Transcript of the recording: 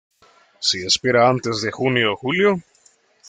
Se espera antes de junio-julio.